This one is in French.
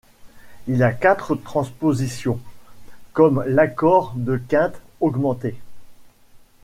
Il a quatre transpositions, comme l'accord de quinte augmentée.